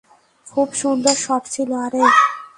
খুব সুন্দর শট ছিলো, -আরে!